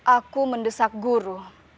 aku mendesak guru